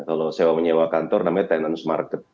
kalau sewa menyewa kantor namanya tenance market